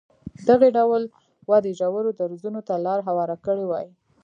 دغې ډول ودې ژورو درزونو ته لار هواره کړې وای.